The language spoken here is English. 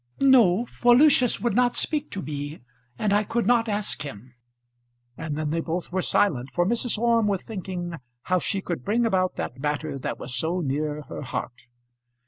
"No; for Lucius would not speak to me, and I could not ask him." And then they both were silent, for Mrs. Orme was thinking how she could bring about that matter that was so near her heart.